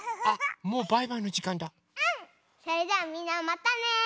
それじゃあみんなまたね。